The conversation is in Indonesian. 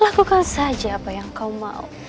lakukan saja apa yang kau mau